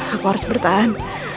aku harus bertahan